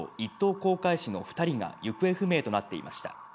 航海士の２人が行方不明となっていました。